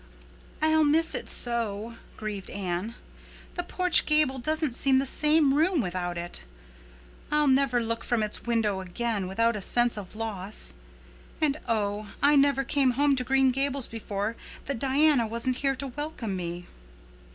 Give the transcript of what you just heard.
"I'll miss it so," grieved Anne. "The porch gable doesn't seem the same room without it. I'll never look from its window again without a sense of loss. And oh, I never came home to Green Gables before that Diana wasn't here to welcome me."